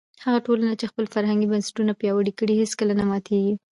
هغه ټولنه چې خپل فرهنګي بنسټونه پیاوړي کړي هیڅکله نه ماتېږي.